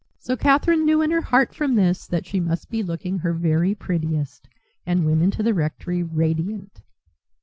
So Catherine knew in her heart from this that she must be looking her very prettiest, and went into the rectory radiant.